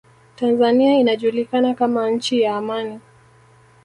tanzania inajulikana kama nchi ya amani